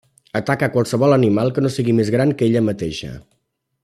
Ataca qualsevol animal que no sigui més gran que ella mateixa.